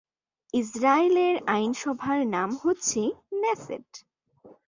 ইসরায়েলের আইনসভার নাম হচ্ছে 'নেসেট'।